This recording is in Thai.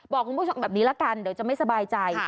บอกคุณผู้ชมแบบนี้ละกันเดี๋ยวจะไม่สบายใจ